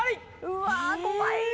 うわ怖いよ。